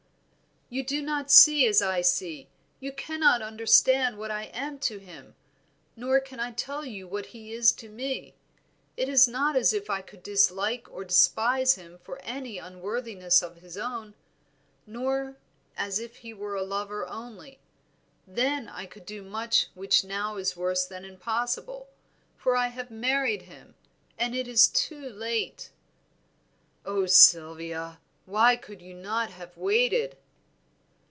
"You do not see as I see; you cannot understand what I am to him, nor can I tell you what he is to me. It is not as if I could dislike or despise him for any unworthiness of his own; nor as if he were a lover only. Then I could do much which now is worse than impossible, for I have married him, and it is too late." "Oh, Sylvia! why could you not have waited?"